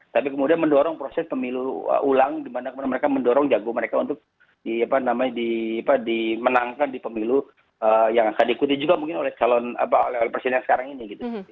tapi kemudian mendorong proses pemilu ulang dimana mereka mendorong jago mereka untuk dimenangkan di pemilu yang akan diikuti juga mungkin oleh calon presiden sekarang ini gitu